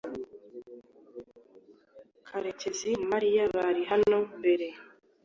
karekezi na mariya bari hano mbere